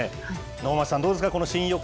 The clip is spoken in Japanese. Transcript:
能町さん、どうですか？